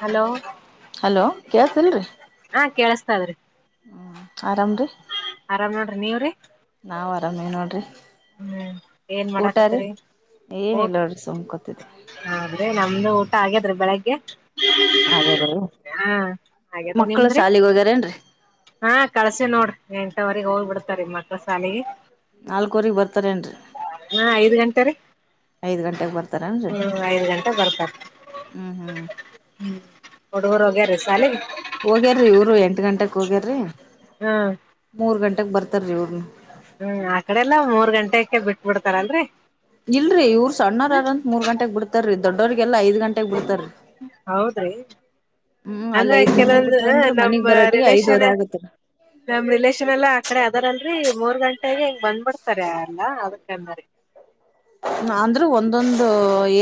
Hello ಕೆಲ್ಸಲ್ರಿ ಕೇಳಿಸ್ತದ್ರಿ ಆರಾಮ್ರೀ ಆರಾಮ್ ನೋಡ್ರಿ ನೀವ್ರೀ ಕಮ್ಮಿ ನೋಡ್ರರಿ ಏನ್ ಊಟಾರಿ ಮಾಡಾಕತ್ತರಿ ಊಟ ಏನಿಲ್ಲ ಸುಮ್ಕೊತಿದ್ದ ಇನ್ನೂ ಊಟ ಆಗ್ಯಾದ್ರೀ ಬೆಳಿಗ್ಗೆ ಹಾಗೇದ್ರೀ ಹಾ ಹಾಗದ ಮಕ್ಳು ನಿಮ್ದ್ರಿ ಸಾಲಿಗೆ ಹೋಗ್ಯಾರೇನ್ರರಿ [inaudible] ಹಾ ಕಳ್ಸಿ ನೋಡ್ರಿ ಎಂಟುವರೆಗೆ ಹೋಗ್ಬಿಡ್ತಾರ ಮಕ್ಕಳ ಶಾಲಿಗೆ ನಾಲ್ಕವರಿಗೆ ಬರ್ ಹಾ ಐದ್ ಗಂಟೆ ರೀ ಐದ್ ಗಂಟೆಗೆ ಬರ್ತಾರೇನ್ರರಿ ಹ್ಮ್ ಐದ್ ಗಂಟೆ ಬರ್ತಾರ ಹ್ಮ್ ಹ್ಮ್ [inaudible] ಹ್ಮ್ ಹುಡುಗರು ಹೋಗ್ಯರೀ ಶಾಲಿಗೆ ಹೋಗ್ಯಾರ್ರಿ ಇವರು ಎಂಟ ಗಂಟಕ್ ಹೋಗ್ಯಾರ್ರಿ ಹಾ ಬರ್ತಾರ ರೀ ಅವ್ರನು ಹ್ಮ್ ಆ ಕಡೆ ಎಲ್ಲಾ ಮೂರ್ ಗಂಟೆ ಇಲ್ರರಿ ಇವ್ರ ಸಣ್ಣಾರಾರಂತ ಮೂರ್ ಗಂಟೆಗ್ ಬಿಡ್ತಾರೀ ದೊಡ್ಡೋಗೆಲ್ಲಾ ಐದ್ ಗಂಟಗ್ ಬಿಡ್ತಾರಿ ಹೌದ್ರಿ ಅಂದ್ರೆ ಕೆಲವೊಂದು ನಮ್ಮ ಬರಟ್ಟಿಗೆ ರಿಲೇಶನ್ ಐದುವರೆ ಆಗತ್ತರಿ [inaudible] ನಮ್ಮ್ ರಿಲೇಶನ್ ಎಲ್ಲಾ ಆ ಕಡೆ ಅದಾರಲ್ರಿ ಮೂರ್ ಗಂಟೆಗೆ ಬಂದ ಬೀಡ್ತರ ಅಲ್ಲ [unintelligible] ಅಂದ್ರೆ ಒಂದೊಂದು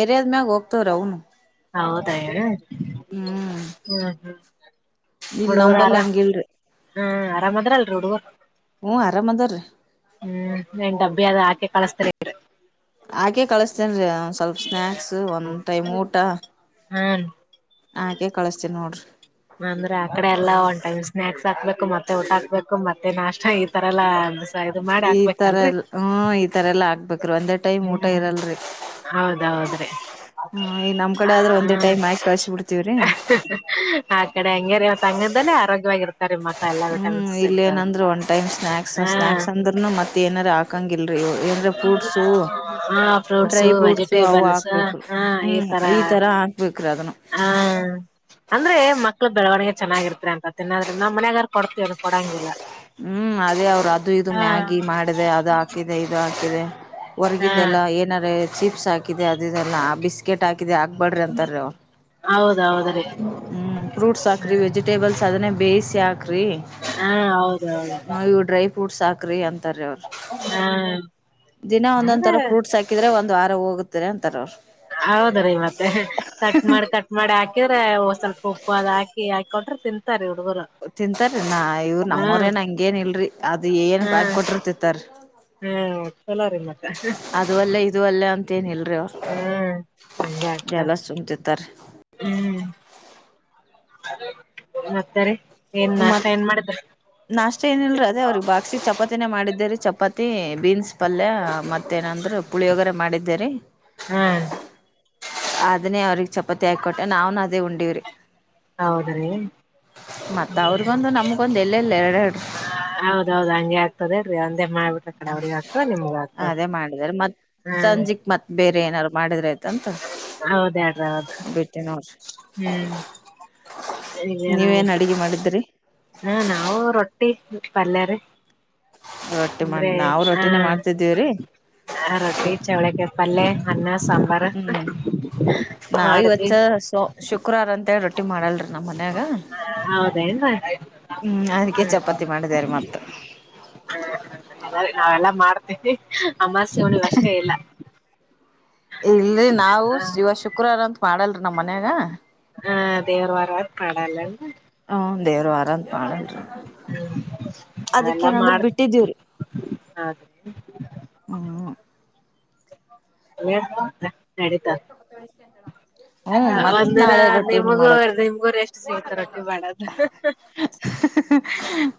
ಏರಿಯಾದ್ಮ್ಯಾಗ ಹೋಗ್ತವ್ರ ಅವನು ಹೌದಾ [unintelligible] ಹ್ಮ್ ಹ್ಮ್ [inaudible] ಇಲ್ಲಿ ನಂಬಳ್ಳಿ ಹಾಗಿಳ್ರಿ ಹ್ಮ್ ಆರಾಮದ್ರಲ್ರಿ ಹುಡುಗ ಹ್ಮ್ ಆರಾಮ ಅದಾರ್ರೀ ಹ್ಮ್ ನೀವು ಡಬ್ಬಿಯಾಗ ಹಾಕಿ ಕಲಿಸ್ತಾರಿ ಹಾಕೆ ಕಳಿಸ್ತೇನ್ರಿ ಒಂದು ಸ್ವಲ್ಪ ಸ್ನಾಯಕ್ಸ್ ಒಂದ್ ಟೈಮ್ ಊಟ ಹಾ ಹಾಕೆ ಕಳಿಸ್ತೇನಿ ನೋಡ್ರಿ ಅಂದ್ರೆ ಆ ಕಡೆ ಎಲ್ಲಾ ಒಂದ್ ಟೈಮ್ ಸ್ನಾಯಾಕ್ಸ್ ಹಾಕ್ಬೇಕು ಮತ್ತೆ ಊಟ ಹಾಕ್ಬೇಕು ಮತ್ತೆ ನಾಷ್ಟ ಈ ತರ ಎಲ್ಲಾ ಇದು ಮಾಡಿ ಈ ತರ ಹಾಕ್ಬೇಕಲ್ರರಿ ಎಲ್ಲ ಹ್ಮ ಈ ತರ ಎಲ್ಲಾ ಆಗ್ಬೇಕ್ರರು ಒಂದ್ ಹ್ಮ್ ಹೌದೌದ್ರಿ ಹ ಹ್ಮ್ ಈ ನಮ್ ಕಡೆ ಆದ್ರೆ ಒಂದೇ ಟೈಮ್ ಆಕಿ ಕಳ್ಸಿ ಬಿಡ್ತೀವ್ರಿ ಆ ಕಡೆ ಹಂಗ್ಯಾರ ತಂಗದ್ದಲ್ಲ. ಆರೋಗ್ಯವಾಗಿ ಇರ್ತಾರೆ ಮ ಹ್ಮ್ ಇಲ್ಲ ಏನಂದ್ರೆ ಒನ್ ಟೈಮ್ ಸ್ನಾಕ್ಸ್ ಹ ಸ್ನಾಯಕ್ಸ್ ಅಂದ್ರರುನು ಮತ್ತೆ ಏನಾರ. ಏಕಾಂಗಿಲ್. ಂದ್ರ ಫ್ರೂಟ್ಸ ಹ ಡ್ರೈ ಫ್ರೂಟ್ಸು ಫ್ರೂಟ್ಸ ಅವು ವೆಜಿಟೇಬಲ್ಸ್ ಹಾಕ್ಬೇಕು ಹ್ಮ ಈ ತರ ಹಾಕ್ಬೇಕು. ಹಾ ಅಂದ್ರೆ ಮಕ್ಳ ಬೆಳವಣಿಗೆ. ಚೆನ್ನಾಗಿರ್ತರಿ ಅಂತ ತಿನ್ನದ್ರೆ ನ ಮಯಗಾರ ಕೊತತಿವಿವದು ಕೊಡಂಗಿಲ್ಲ. ಹ್ಮ್ ಅದೇ ಅವ್ರ ಅದು ಇದು ಹಾ ಮ್ಯಾಗಿ ಮಾಡಿದೆ ಅದು ಹಾಕಿದೆ ಇದು ಹಾಕಿದೆ ಹಾ ಹೊರ್ಗಿಂದ ಎಲ್ಲಾ ಏನಾರ. ಚಿಪ್ಸ್ ಹಾಕಿದೆ ಅದುದೆಲ್ಲಾ ಬಿಸ್ಕೆಟ್ ಹಾಕಿ ಹಬೇಡ್ರಿ ಅಂತಾರ ಅವ್್ಮ ಹೌದೌದ್ರಿ ಫ್ರೂಟ್ಸ್ ಹಾಕ್ರಿ ವೆಜಿಟೇಬಲ್ಸ್ ಅದನ್ನೇ. ಬೇಿಸಿ ಕ್ರಿ. ಹಾ ಹ ಇವುಡ್ರೈ ಕುಡ್ ಸಾಕ್ರೆ ಅಂತ ಹ್ಮ ದಿನ ಒಂದೊಂದ ತರ ಫ್ರಟ್ಸ್ ಹಾಕಿದೆ. ಒಂದು ವಾರ ಹೋಗುತ್ತಾರೆ ಅಂತಾರ ಅವರು. ಹೌದ ರೀ ಮತ್ತೆ ಕಟ್ ಮಾಡಿ ಕಟ್ ಮಾಡಿ ಹಾಕ್ ಹ್ರ ಸ್ವಲ್ಪ ಉಪ್ಪು ಅದು ಹಾಕಿ ಹಾಕಿ ಕೊಟ್ರೆ ತಿಂತಾರೆರು. ತಿಂತಾರ ನಾ ಇವರು ನಮ್ಮವರೇನ ಹಂಗೇನ್ ಇಲ್ರಿ ಅದು ಏನ್ ಹಾ ಹಾಕಕೊಟ್ರಿ ತಿಂತಾರ ಹ್ಮ್ ಚಲೋ ರೀ ಮತ್ತ ಅದವಲ್ಲ ಇದು ಅಲ್ಲ ಅಂತ ಏನಿಲ್ಲ. ಹ್ಮ್ ಆತಾ ಎಲ್ಲ ಸುಮ್ ತಿಂತಾರೀ ಹ್ಮ್ ಮತ್ತಾರೆ. ಮತ್ ನಾಷ್ಟ ಏನಲ್ರ ಅದೇ ಅವ್ರಿಗೆ ಬಾಕ್ಸಿ ಚಪಾತಿನೇ ಮಾಡಿದ್ದೇರಿ. ಚಪಾತಿ ಬೀನ್ಸ್ ಪಲ್ಯ ಮತ್ತೇಏನಂದ್ರರು ಪುಳಿ ಒಗರ ಮಾಡಿದ್ದೇರಿ. ಹ್ಮ್ ಅದನೇ ಅವ್ರಗ್ ಚಪ್ಪ ತ್ತ ಆಾಕೊಟ್ಟೆ ನಾವ್ನ್ ಅದೇ ಉಂಡಿವ್ರಿ ಹೌದ್ರಿ ಮತ್ತ ಅವ್ರಗೊಂದು ನಮಗೊಂದು ಎಲ್ಲೆಲ್ಲ ಎರಡೆರಡು. ಹೌದೌದ್ ಹಂಗೆ ಆಗ್ತದೇಳ್ರಿ ಒಂದೇ ಮಾಡ್ಬಿಟ್ರ ಕಡೆ ಹ್ಮ್ ಅವ್ರಗ್ ಆಗ್ತದ ನಿಮ್ಗ ಆಗ್ತದ ಅದೇ ಮಾಡಿದಿದ್ದಾರೆ ಮತ್ತ್ ಹಾ ಸಂಜಿಕ್ ಮತ್ತ್ ಬೇರೆ ಏನಾರರು. ಮಾಡಿದ್ರ ಆಯತ್ ಅಂತ. ಹೌದ್ಯಾಡ್ರಿ ಹೌದು ಬಿೇಟ್ಟಿ ನೋಡ್ರಿ ಹ್ಮ್ ನೀವೇನ್ ಅಡಗೆ ಮಾಡಿದ್ರಿ. ಹಾ ನಾವು ರೊಟ್ಟಿ ಪಲ್ಯಾರಿ ರೊಟ್ಟಿ ಮಾಡ ಅಂದ್ರೆ ನಾವು ಹ ರೊಟ್ಟಿನೇ ಮಾಡ್ತಿದ್ದೀವ್ರಿ ಆ ರೊಟ್ಟಿ ಚೌಳಿಗೆ ಪಲ್ಲೆ ಅನ್ನ ಸ್ ಹ್ಮ್ ನಾವ ಇವತ್ತ ಮಾಡಿದ್ವಿ ಸ ಶುಕ್ರವಾರ ಅಂತ ಹೇಳ ಟ್ಟಿ ಮಾಡಲ್ರಿ ನಮ್ಮ್ ಮನ್ಯಾಗ ಹೌದೇನ್ರಿ ಹ್ಮ್ ಅದಕ್ಕೆ ಹ್ಮ್ ಚಪಾತಿ ಮಾಡಿದಾರ ಮತ್ತ [unintelligible] ಅಮಾಸ್ಯೆ ಉಣಿವ್ ಅಷ್ಟೇ ಇಲ್ಲ ಇಲ್ರರಿ ನಾವು ಹ ಶಿವ ಶುಕ್ರವಾರ ಅಂತ ಮಾಡಾಲ್ರಿ ನಮ್ಮ್ ಮನ್ಯಾಗ ಆ ದೇವ್ರವಾಗ್ ಪಾಡಲ್ ಏನ್ರಿ ಹ್ಮ ದೇವ್ರ ಅದಕ್ಕೇಏನಂದ್ರ ಬಿಟ್ಟಿದೀವ್ರಿ ಹಾಗೆ ಹ ಎ ನಡತ ಹ್ಮ್ ಮತ್ ಒಂದಿನ ನಾಳೆ ರೊಟ್ಟಿನ ನಿಮಗೂ ಮಾಡದ ನಿಮ್ಗೂರು ಎಷ್ಟು ಸಿಗತ ರೊಟ್ಟಿ ಮಾಡದು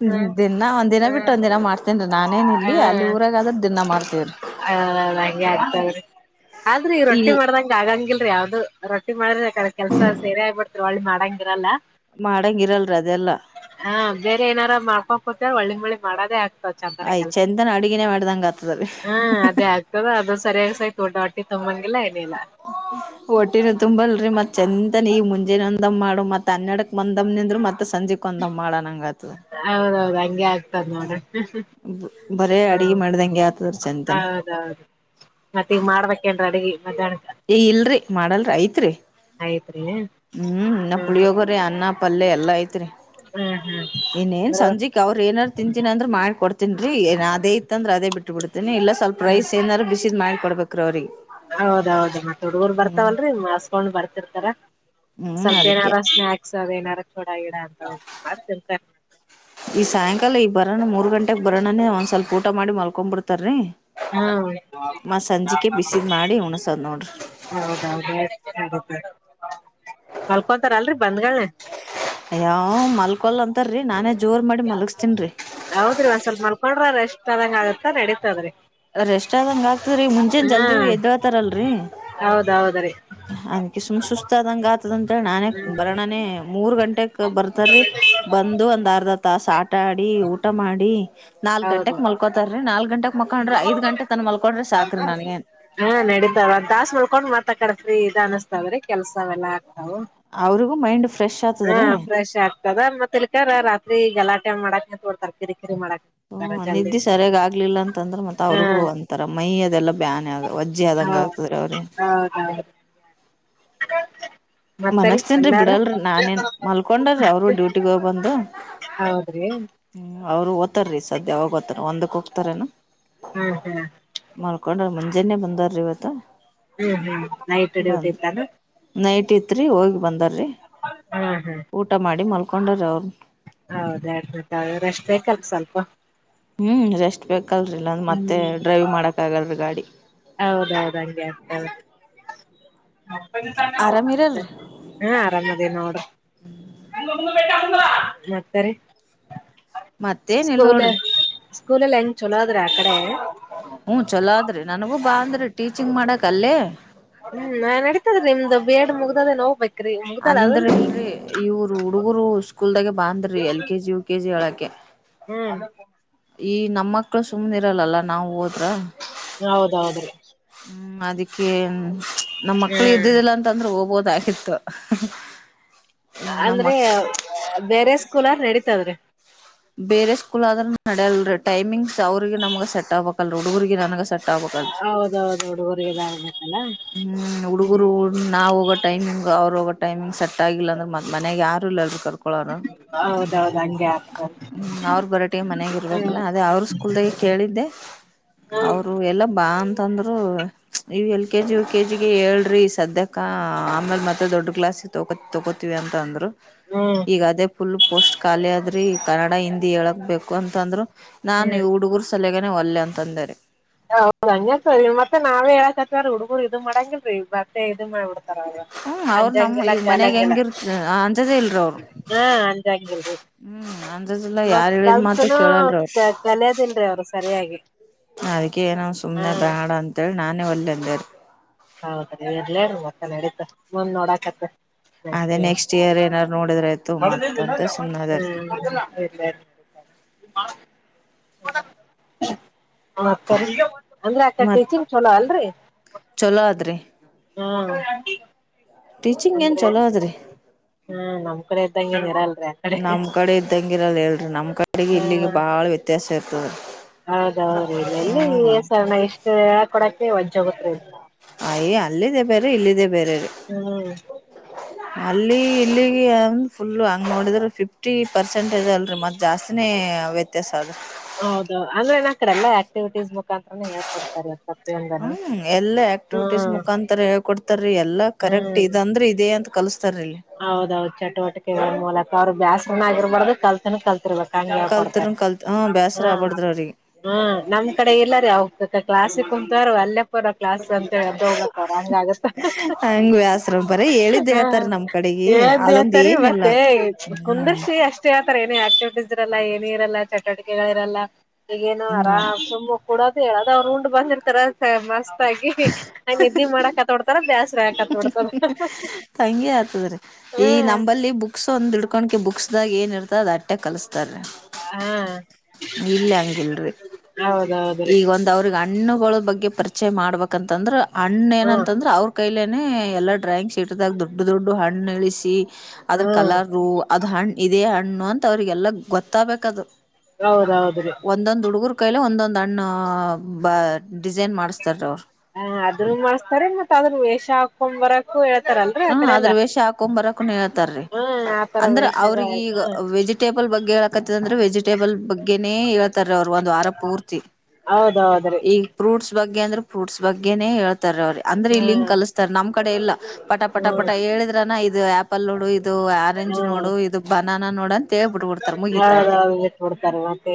ಹ ದಿನ ಒಂದ್ ದಿನ ಬಿಟ್ಟು ಹ್ಮ ಒಂದ್ ದಿನ ಮಾಡ್ತೇನ್ರಿ ನಾನೇನ್ ಇಲ್ಲಿ ಅಲ್ಲಿ ಊರಾಗ ಆದ್ರ ದಿನ ಮಾಡ್ತೇವ್ರಿ ಹ ಹಂಗೆ ಆಗ್ತವ್ರಿ ಆದ್ರೆ ಈ ರೊಟ್ಟಿ ಮಾಡ್ದಂಗ ಆಗಂಗಿಲ್ಲ ಯಾವ್ದ ರಟ್ಟಿ ಮಾಡಿದ್ರೆ ಯಕ್ರ ಕೆಲ್ಸ ಸೇರಿ ಆಗ್ಬಡ್ತರಿ ಒಳ್ಳಿ ಮಾಡಾಂಗಿರಲ್ಲ ಮಾಡಂಗ ಇರಲ್ರಿ ಅದೆಲ್ಲಾ ಹ ಬೇರೆ ಏನಾರ ಮಾಡ್ಕೋಕೋತಾರ ಒಳ್ಳೆ ಮಾಡದೇ ಆದ್ ಆಯ್ ಚಂದನ ಅಡುಗಿನೇ ಮಾಡ್ದಂಗ ಆತದರಿ ದಾಟಿ ತಮ್ಮ ಒಟ್ಟಿನ ತುಂಬಲ್ರಿ ಮತ್ತ ಚಂದ ನೀವು ಮುಂಜೆಂದಮ್ಮ ಮಾಡ ಮತ್ ಅನ್ನಡಕ್ ಬಂದಮ್ಮನಂದರು ಮತ್ತ ಹೌದೌದು ಹಂಗೆ ಆಗ್ತದ ನೋಡ್ರ ಬರೇ ಹಾ ಅಡಗೆ ಮಾಡ್ದಂಗೆ ಆತದ್ರ ಚಂತನ ಹೌದೌದು ಮತ್ತ ಈಗ ಮಾಡ್ಬೇಕೇನ್ರಿ ಅಡಗೆ ಅದ್ದಾಡದ್ ಏ ಇಲ್ರಿ ಮಾಡಲ್ರಿ ಐತ್ರಿ ಆಯ್ತ್ರಿ ಹ್ಮ್ ಇನ್ನ ಹ್ಮ ಪುಳಿಯೋಗ್ರಿ ಅನ್ನ ಪಲ್ಯೆ ಎಲ್ಲಾ ಐತ್ರಿ ಹ್ಮ್ ಹ್ಮ್ ಇನ್ನೇನ್ ಬರುವ ಸಂಜೆಕ್ ಅವ್ರ ಏನಾರು ತಿಂತೀನಿ ಅಂದ್ರ ಮಾಡಿಕ ಕೊಡ್ತೇನ್ ರೀ ಏ ಅದೇ ಇತ್ ಅಂದ್ರ ಅದೇ ಬಿಟ್ಟ ಬಿಡ್ತೀನಿ ಇಲ್ಲ ಸ್ವಲ್ಪ ಹ್ಮ ರೈಸ್ ಏನಾರು ಬಿಸಿದ್ ಮಾಡ್ ಕೊಡ್ಬೇಕ್ ರಿ ಅವ್ರೀ ಹೌದೌದು ಮತ್ ಹುಡುಗರ್ ಬರ್ತಾವಲ್ರರಿ ಮಸ್ಕೊಂಡ್ ಬರ್ತಿರ್ತಾರ ಹ್ಮ್ ಸ್ವಲ್ಪ ಅದಕ್ಕೆ ಏನಾರ ಸ್ನ್ಯಕ್ ಅದ ಏನಾರ ತೋಡ ಗಿಡ ಅಂತ ಮಾಡ್ ತಿತಾರೆ ಮತ್ತೆ ಈ ಸಾಯಂಕಾಲ ಈ ಬರೋಣ ಮೂರ್ ಗಂಟೆಗೆ ಬೋಣನೆ ಒಂದ್ ಸ್ವಲ್ಪ ಊಟ ಮಾಡಿ ಮಲ್ಕೊ ಬಿಡ್ ತ್ತರ್ರೀ ಹಾ ಬಿಸಿದ್ ಮಾಡಿ ಉಣಸದ್ ನೋಡ್ರಿ ಹೌದೌ ಮಲಕೂತಾರ ಅಲ್ರಿ ಬಂದ್ಗಳೆ ಯಯಾವ ಮಲ್ಕೊಲ್ ಅಂತರೀ ನಾನೇ ಜೋರ್ ಮಾಡಿ ಮಲಗಸ್ತೇನ್ರಿ ಹೌದ್ರಿ ಒಂದ್ ಸ್ವಲ್ಪ ಮಲ್ಕೊಂಡ್ರ ರೇಷ್ಟ್ ಅದಂಗ ಆಗತ್ತ ನಡೀತಾದ್ರೀ ರೆಸ್ಟ್ ಆದಂಗ ಆಗ್ತ್ರರಿ ಮುಂಜನ್ ಹಾ ಜಲ್ದಿ ಎದ್ತಾರಲ್ರಿ ಹೌದೌದ್ರಿ ಅನ್ಕಿ ಸುಮ್ ಸುಸ್ತ ಆದಂಗ ಆತದಂತೇಳಿ ನಾನೇ ಹ್ಮ್ ಬರೋಣನೆ ಮೂರ್ ಗಂಟೆಕ್ ಬರ್ತಾರಿ ಬಂದು ಒಂದ್ ಅರ್ಧ ಹತ್ ತಾಸ ಆಟಾಡಿ ಊಟ ಮಾಡಿ ನಾಲ್ಕ ಹೌದು ಗಂಟೆಗೆ ಮಲ್ಕೋತಾರ ರೀ ನಾಲ್ ಗಂಟೆಗೆ ನನಗೆ ಹಾ ನಡೀತಾರ ತಾಸ್ ಮಾಲಕೂಂಡು ಮತ್ತ ಕಡ್ರಿ ಇದ ಅನಿಸ್ತದ್ರೆ ಕೆಲ್ಸಾವ ಎಲ್ಲ ಹ ಅವ್ರಿಗೂ ಮೈಂಡ್ ಫ್ರೆಶ್ ಆತದ್ರೀ ಹ ಫ್ರೆಶ್ ಆಗ್ತದ ಮತ್ತೆ ಇಕ ರಾತ್ರಿ ಗಲಾ ಮಾಡಕ ತೋಡ್ತಾರೆ ಕರಿ ಕರಿ ಮಾಡಕ ಹ್ಮ ನಿದ್ದಿ ಸರಿಯಾಗ ಆಗ್ಲಿಲ್ಲಂತ ಅಂದ್ರ ಮತ್ತ ಹಾ ಅವರಿಗೂ ಒಂತರ ಮೈಯ ಅದೆಲ್ಲ ವಜ್ಜ ಆದಂಗ ಹೌ ಆಗ್ತದ್ರ ಅವ್ರಿಗೆ ಹೌದೌದು [unintelligible] ಮತ್ತರಿ ಮನ್ಸ್ತನಿರ ಅಣ್ಣಾರು ಬಿಡಲ್ರರಿ ನಾನೇನ್ ಮಲ್ಕೊಂಡ್ರಿ ಅವ್ರು ಡ್ಯೂಟಿಗ್ ಹೋಗ್ ಬಂದು ಹೌದ್ರಿ ಹ್ಮ್ ಅವ್ರು ಓತ್ತತ್ರರಿ ಸದ್ಯಾಗ ಒಂದಕ ಹೂತರ ಏನ ಹ್ಮ್ ಹ್ಮ್ ಕಕೊಂಡ್ರ ಮಂಜಾನೆೇ ಬಂದಾರ ಇವತ್ ಹ್ಮ್ ಹ್ಮ್ ನೈಟ್ ಡ್ಯೂಟಿ ಇತ್ತಾನ ರಿ ಹೋಗ ಬಾಂದರ ರ ಹ್ಮ್ ಹ್ಮ್ ಊಟ ಮಾಡಿ ಮಲ್ ಕೊಂಡರೆ ಅವ್ರು ಹೌದ ಹೇಳರೀ ರೇಷ್ಟ್ ಬೇಕಲ್ ಸ್ವಲ್ಪ ಹ್ಮ್ ರೆಸ್ ಬಕ್ ಹ್ಮ್ ಗಾಡಿ ಹೌದೌದ ಹಂಗೆ ಆಗ್ತೌದು ಆರಾಮ್ ಮತ್ತೆ ಇರಲ್ರಿ ಹಾ ಆರಾಮದೇ ನೋಡ್ರಿ ಮತ್ತಾರೀ ಮತ್ತೇನ್ ಇಲ್ ಸ್ಕೂಲ್ ನೋಡ್ರಿ ಸ್ಕೂಲ್ಲ್ಲ ಎಂಗ್ ಚೊಲೋ. ತ್ರೀ ಅಕಡ. ಚಿಂಗ್ ಮಾಡಕ್ ಅಲ್ಲೇ. ಹ್ಮ್ ನಾ್ ನಡಿತತದ್ರೀ ನಿಮ್ದ್ ಬೇಡ್ ಮುಗ್ದದೆ ನೋೋಗ್ಬೇಕು. ಅಂದ್ರಲ್ರಿ ಇವರು ಹುಡುಗುರು ಸ್ಕೂಲ್ದಾಗೆ ಬಾಂದ್ರಿ ಎಲ್ ಕೆಜಿ ಯು ಕೆಜಿ ಹೇಳಕೆ. ಕೆ. ಹ್ಮ್ ಈ ನಮ್ಮ ಮಕ್ಳು ಸುಮ್ಮ್ನೆ ಇರಲ್ಲಲ್ಲ ನಾವು ಹೋದ್ರ. ಹೌದೌದ್ರಿ ಹ್ಮ ಅದಕ್ಕೆ. ನಮ್ಮ್ಕ್ಳ ಹ್ಮ್ ಇದ್ದುದಿಲ್ಲ ಅಂದ್ರೆ ಹೋಗಬದು. ಅದಾಗಿತ್ತುು. [unintelligible] ಅಂದ್ರೆ ಬೇರೆ ಕುಲಾರ್ ನಡೀತದ್ರೀ ಬೇರೆ ಸ್ಕೂಲ್ ಆದ್ರ ನಡ್ಯಲ್ರೀ ಟೈಮಿಂಗ್ಸ್ ಅವ್ರಿಗೆ ನಮಗ ಸಟ್ ಆಗ್ಬೇಕಲ್ರೀ ಹುಡುಗರ್ರಿಗೆ ನನ್ಗ ಸೆಟ್ ಾದ್ರ ಹೌದೌದು ಹುಡುಗರಿಗೆ ಇದಾಗಬೇಕಲ್ಲ ಹ್ಮ್ ಹುಡುಗರು ನಾ ಹೋಗ ಟೈಮಂಗ್ ಅವ್ರೋಗೋ ಟೈಮಿಂಗ್ ಸೆಟ್ ಆಗಿಲ್ಲ ಅಂದ್ರ ಮನೆಾಗ ಯಾರ ಇಲ್ಲರು. ಹೌದೌದು ಹಂಗೆ ಆಗ್ತದೆ. ಹ್ಮ ಅವ್ರ ಬರಟಿಗೆ ಮನೆಗ್ ಹ್ಮ್ ಇರ್ಬೇಕಲ್ಲ ಅದೇ ಅವರು ಸ್ಕೂಲ್ದಾಗ ಕೇಳಿದ್ದೆ ಹ್ಮ್ ಅವರು ಎಲ್ಲ ಬಾ ಅಂತಂದ್ರ ಇವ L K G U K ಜಿಿಗೆ ಏ್ರಿ ಸದ್ಯಕ್ಕ ಆಮೇಲೆ ಮತ್ತೆ ದೊಡ್ ಗ್ಲಾಸ್ಿಗೆ ತೋ ತಗೋತೀವಿ ಅಂತ ಅಂದ್ರರು. ಹ್ಮ್ ಈಗ ಅದೇ ಫುಲ್ ಪೋಸ್ಟ್ ಖಾಲಿ ಆದ್ರೆ. ಹಿಂದಿ ಹೇಳಕ್ಬೇಕು ಅಂತಂದ್ರರು. ನಾನು ಇ ಹ್ಮ್ ನೀವು ಹುಡುಗೂರು ಸಲ ಒಲ್ಲೆ ಅಂತ ಅಂದೇ ರಿ ಹೌದಂಗತ ಮತ್ತೆ ನಾವೇ ಹೇಳಕತಾರ ಹುಡಗುರು ಇದು ಮಾಡಂಗಿಲರಿ ಬತ್ತ ಇದ ಮಾಡ್. ಹ್ಮ್ ಅವರು ನಮ ಈ ಮನೆಗ ಹೆಂಗ ಅಂಜದೇ ಇಲ ಅವರು ಹಾ ಅಂಜಂಗಿಲ್ರಿ ಹ್ಮ್. ಮತ್ ಯಾರು ಹೇಳಿದ ಮಾತು ಕಲ್ತನು ಕೇಳಲ ಅವರು ಕಲಿಯೋದಿಲ್ರಿ ಅವ್ರು ಸರಿಯಾಗಿ ಅದಕ್ಕೆ ಏನ ಹಾ ಸುಮ್ನೆ ಬೇಡ ಅಂತ ಹೇಳಿ ನಾನೇ. ತಡರಿ. ಹೌದ ರೀ ಇರ್ಲೇ ಮತ್ತ ನಡೀತ ಮುಂದ ನೋಡಾಕತ. ಅದೇ ನೆಕ್ಸ್ಟ್ ಇಯರ್ ಏನಾದಾರರು ನೋಡಿದರ ಆಯ್ತು ಮತ್ತ ಹ್ಮ್ ಅಂತ ಸುಮ್ನ ಆದೇ ರಿ ಹ ಅಂದ್ರೆ ಅಕ್ಕಡಿ ಮತ್ ಟೀಚಿಂಗ್ ಚಲೋ ಅಲ್ರಿ. ಚಲೋ ಆದ್ರಿ ಹಾ ಟೀಚಿಂಗ್ ಏನ ಚಲೋ ಆದ್ರಿ. ತಂಗಿ ಇರಲ ನಮ ಕಡೆ ಇದ್ದಂಗ ಇರಲ್ಲ ಹೇಳ ನಮ ಕಡೆಗೆ ಇಲ್ಲಿಗೆ ಬಾಳ ವ್ಯತ್ಯಾಸ ಇರುತ್ತೆ ಹ ಹೌದ ಹೌದ ರಿ ಇಲ್ಲಿ ಎಲ್ಲಿ ಸಣ ಇಷ್ಟು ಕೊಡಕ ಅಂತ ಹೇಳದಲ್ಲ ಅಯ ಅಲ್ಲಿದೆ ಬೇರೆ ಇಲ್ಲಿದೆ ಬೇರೆ ರೀ ಹ್ಮ್ ಅಲ್ಲಿ ಇಲ್ಲಿಗೆ ಫುಲ ಹಂಗ ನೋಡಿದರ ಫಿಫ್ಟಿ ಪರ್ಸೆಂಟ್ ಅಲ್ರಿ ಮತ ಜಾಸ್ತಿನೇ ವ್ಯತ್ಯಾಸ ಅದ ರಿ ಹೌದ ಅಂದ್ರೆ ಏನ ಕಡೆಲ್ಲ ಆಕ್ಟಿವಿಟೀಸ್ ಮ ಹ್ಮ ಎಲ್ಲಾ ಆಕ್ಟಿವಿಟೀಸ್ ಹ್ಮ್ ಮುಖಾಂತರ ಹೇಳಿ ಕೊಡತಾರ ರಿ ಎಲ್ಲಾ ಕರೆಕ್ಟ್ ಇದು ಅಂದ್ರ ಇದೇ ಅಂತ ಕಲ್ಸ್ತ ಹೌದ ಹೌದು ಚಟುವಟಿಕೆಗಳ ಮೂಲಕ ಬ್ಯಾಸರ ನಗ ಇರಬಾಡದು ಕಲ್ತಿನು ಕಲ ರ್ಬೇಕಂಗ ಕೊಡ್ತಾರ ಕಲ್ತರ್ನ್ ಕಲ್ತ್ ಹ ಬೇಸರ ಆಗ್ಬಾರ್ದ್ರ ಅವ್ರಿಗೆ ಹ ನಮ ಕಡೆ ಇಲ್ಲ ರಿ ಅವ ಕ್ಲಾಸ್ ಕುಂತಾರ ಅಲ್ಲೆ ಪರ ಕ್ಲಾಸ್ ಅಂತ ಹೇಳ್ದ ಎದ್ದು ಹೋಗಬೇಕು ಅವರು ಹಂಗ ಆಗತ್ತ ಹಂಗ ಬ್ಯಾಸ್ರ ಬರೀ ಹೇಳಿದ್ದ ಹೇಳ್ತಾರ ನಮ್ ಕಡೆಗಿ ಅದೊಂದ ದೇತರಿ ಏನಿಲ್ಲ ಮತ್ತೇ ಹ್ಮ್ ಕುಂದರ್ಸಿ ಅಷ್ಟೇ ಅಂತರ ಏನು ಆಕ್ಟಿವಿಟೀಸ್ ಇರಲ್ಲ ಏನು ಇರಲ್ಲ ಚಟುವಿಕೆಗಳು ಇರಲಿ ಈಗ ಏನು ಹ್ಮ ಆರಾಮ ಸುಮ್ಮ ಕೊಡೋದು ಹೇಳದ ಅವರು ಉಂಡ್ ಬಂದ ಇರತಾರ ಮಸ್ತ್ ನಿದ್ದಿ ಮಾಡಕ ಹತ್ತ ಬಿಡತಾರ ಜಾಸ್ತಿ ಕತ್ತು ಕೊಡತರ ಈಗ ಹಂಗೆ ಆತದ ರಿ ಈ ನಂಬಲ್ಲಿ ಬುಕ್ಸ್ ಒಂದ ಹಿಡಕೊಂಡಕೀ ಬುಕ್ಸ್ ಇದಾಗ ಏನಿರ್ತೋ ಅದು ಅಟ್ಟೆ ಕಲಿಸಸ್ತಾರ ಹ್ಮ್ ಇಲ್ಲ ಹಂಗಿಲ್ರಿ ಹೌದೌದ್ರಿ ಈಗ ಒಂದ ಅವ್ರಿಗ ಹಣ್ಣುಗಳ ಬಗ್ಗೆ ಪರಿಚಯ ಮಾಡ್ಬೇಕಂತಂದ್ರೆ ಅಣ್ಣ ಹ್ಮ್ ಏನಂತಂದ್ರ ಅವ್ರ ಕೈಲ ಏ ನೆ ಎಲ್ಲಾ ಡ್ರಾಯಿಂಗ್ ಶೀಟ್ದಾಗ ದೊಡ್ಡ ದೊಡ್ಡ ಹಣ್ಣ ಇಳಿಸಿ ಅದ್ರ ಹ್ಮ್ ಕಲರ್ ಅದ್ ಹಣ್ಣ ಇದೇ ಹಣ್ಣ ಹಣ್ಣು ಅಂತ ಅವ್ರಿಗೆಲ್ಲ ಗೊತ್ತಾಗಬೇಕದು ಹೌದೌದ್ರಿ ಕೈಲ ಒಂದೊಂದು ಅಣ್ಣ ಬ ಡಿಸೈನ್ ಮಾಡಸ್ತಾರ ಅವ್ರು ಹ ಅದ್ರೂ ಮಾಡಸ್ತಾರೆ ಮತ್ತತ್ ಅದ್ರ ವೇಷ ಹಾಕೊ್ ಬರ ಹ ಹ ಅದ್ರ ವೇಷ ಹಾಕೊ್ ಬರಕ ಹೇಳ್ತಾರೀ ಹ್ಮ್ ಆತರ ಅಂದ್ರ ಅವ್ರಗ ಈಗ ವೇಷಗಳೆಲ್ಲ ವೆಜಿಟೇಬಲ್ ಬಗ್ಗೆ ಹೇಳಕತ್ತದಂದ್ರೆ ವೆಜಿಟೇಬಲ್ ಬಗ್ಗೆನೇ ಹೇಳ್ತಾರೀ ಅವ್ರ ಒಂದ್ ವಾರ ಪೂರ್ತಿ ಹೌದೌದ್ರಿ ಈಗ ಪ್ರ್ರೂಟ್ಸ್ ಬಗ್ಗೆ ಅಂದ್ರೆಫ್ರೂಟ್ಸ್ ಬಗ್ಗೆನೇ ಹೇಳ ಅವರು ಅಂದ್ರೆ ಇಲ್ಲಿಂಗ ಹ್ಮ್ ಕಲಸ್ತಾರೆ ನಮ ಕಡೆೆಯಲ್ಲ ಪಟ ಪಟ ಪಟ ಹ್ಮ್ ಹೇಳಿದ್ರಾನ ಇದು ಇದು ಆ್ಯಪ್ ಅಲ್ಲೋಡು ಇದು ಇದು ಆರೆಂಜ್ ಹ್ಮ್ ನೋಡು ಇದು ಬನಾನಾ ನೋಡು ಅಂತ ಹೇಳ್ಬಿಟ್ಬಿಡ್ತಾರೆ ಮುಗತಾಟೆ ಹೌದೌದು ಬಿಟ್ಟ ಬಿಡ್ತಾರ ಮತ್ತೆ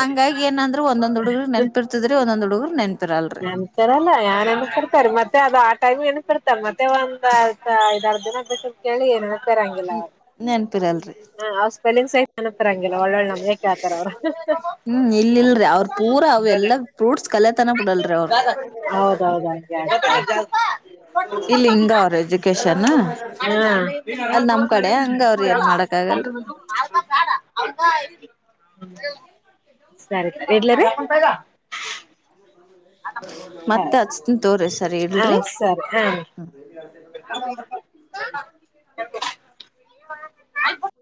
ಹಂಗಾಗಿ ಏನಂದ್ರರು ಒಂದೊಂದ್ ಹುಡುಗರು ನೆನ್ಪ ಅಂದ್ರೆ ಒಂದೊಂದು ಹಡುಗರು ನೆ ನೆನ್ಂತರಲ್ಲ ಯಏನ್ ನ್ ಕಡ್ತಾರೆ ಮತ್ತೆ ಅದು ಆ ಟೈಮ್ ಏನ್ ಕತಾರೆ ತಮ್ಮ ಮತ್ತೇ ಒಂದ ಐದಾರ್ ದಿನ ದಿನ ಬಿಸಲು ಕೇಳಿ ಏ ಹಂಗಿಲ್ಲ ನೆನ್ಪಿರಲ್ರಿ ಅವ ಸ್ಪೆಲಿಂಗ್ ಸಹ ಅತಾರಂಗಿಲ್ಲ ಒಳ್ಳೊಳ್ಳೆ ನಂಬಕ್ಕೆ ಆತಾರ ಅವ್ರ ಹ್ಮ್ ಇಲ್ ಇಲ್ರಿ ಅವ್ರ ಪೂರಾ ಅವೆಲ್ಲಾ ಫ್ರೂಟ್ಸ್ ಕಲೆತನ ಬಿಡಲ್ರಿ ಅವ್ರು ಹೌದೌದ ಹಂಗೆ ಇಲ್ಲಿ ಹಿಂಗ ಅವ್ರ ಎಜುಕೇಶನ್ ಹ್ಮ್ಮ್ಮ್ [inaudible] ಅಲ್ಲಿ ನಮ್ ಕಡೆ ಹಂಗ ಅವ್ರ ಏನ್ ಮಾಡಕ್ ಆಗಲ್ರಿ ಹ್ಮ ಸರಿ ಸರಿ ಇಡ್ಲಿ ರಿ ಮತ್ತೆ ಹಚ್ತೆನಿ ತೋ್ರಿ ಸರಿ ಇಲ್ರಿರಿ ಹ ಹೌ [inaudible]